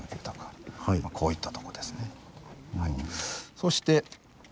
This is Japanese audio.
そして。